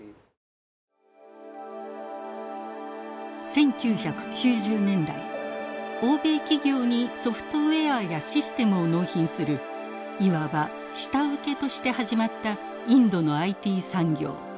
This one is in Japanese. １９９０年代欧米企業にソフトウエアやシステムを納品するいわば下請けとして始まったインドのＩＴ産業。